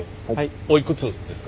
おいくつですか？